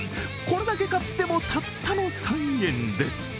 これだけ買ってもたったの３円です